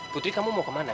putri kamu mau kemana